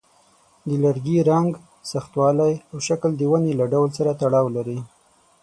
د لرګي رنګ، سختوالی، او شکل د ونې له ډول سره تړاو لري.